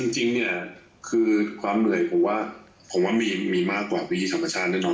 จริงคือความเหนื่อยผมว่ามีมากกว่าวิธีธรรมชาญด้วยนอน